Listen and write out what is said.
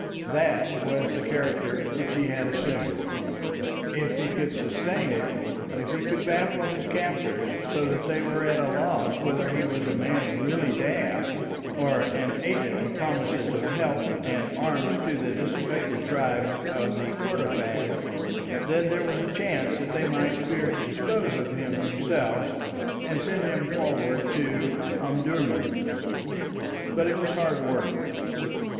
That was the character which he had assumed. If he could sustain it, if he could baffle his captors, so that they were at a loss whether he was a man really daft or an agent with promises of help and arms to the disaffected tribes of Kordofan then there was a chance that they might fear to dispose of him themselves and send him forward to Omdurman. But it was hard work.